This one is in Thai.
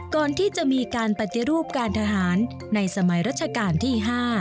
ก่อนที่จะมีการปฏิรูปการทหารในสมัยรัชกาลที่๕